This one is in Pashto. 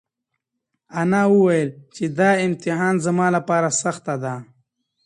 انا وویل چې دا امتحان زما لپاره سخته ده.